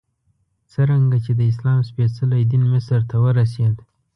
څرنګه چې د اسلام سپېڅلی دین مصر ته ورسېد.